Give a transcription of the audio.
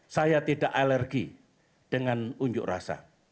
saya tidak alergi dengan unjuk rasa